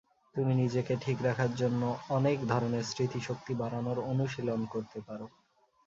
তুমি নিজেকে ঠিক রাখার জন্য অনেক ধরনের স্মৃতিশক্তি বাড়ানোর অনুশীলন করতে পারো।